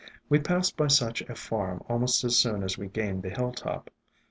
We passed by such a farm almost as soon as we gained the hilltop.